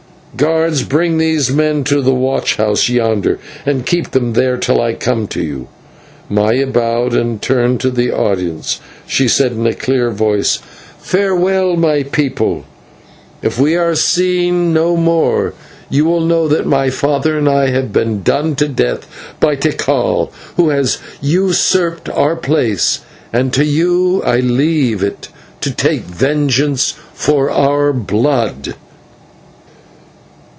Guards, bring these men to the watch house yonder, and keep them there till I come to you." Maya bowed, and, turning to the audience, she said in a clear voice, "Farewell, my people. If we are seen no more you will know that my father and I have been done to death by Tikal, who has usurped our place, and to you I leave it to take vengeance for our blood."